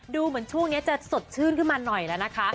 ดูเหมือนช่วงนี้จะสดชื่นขึ้นมาหน่อยแล้วนะคะ